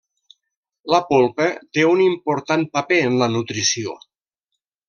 La polpa té un important paper en la nutrició.